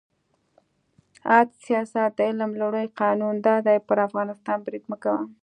«عد سیاست د علم لومړی قانون دا دی: پر افغانستان برید مه کوه.